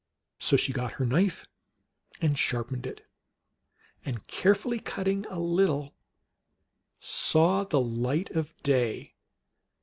So she got her knife and sharpened it, and, carefully cutting a little, saw the light of day.